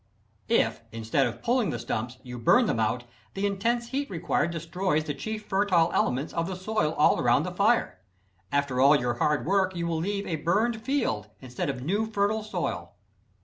If instead of pulling the stumps, you burn them out, the intense heat required destroys the chief fertile elements of the soil all around the fire. After all your hard work you will leave a burned field instead of new, fertile soil.